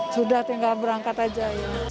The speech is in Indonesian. sudah tinggal berangkat saja